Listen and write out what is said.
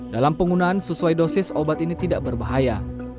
dalam penggunaan sesuai dosis obat ini tidak berbahaya